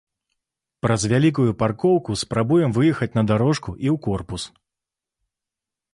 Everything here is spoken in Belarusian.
Праз вялікую паркоўку спрабуем выехаць на дарожку і ў корпус.